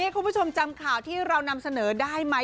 คุณผู้ชมจำข่าวที่เรานำเสนอได้ไหม